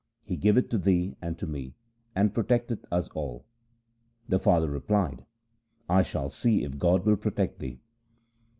He giveth to thee and to me, and protecteth us all.' The father replied, ' I shall see if God will protect thee.'